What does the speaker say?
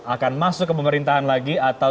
akan masuk ke pemerintahan lagi atau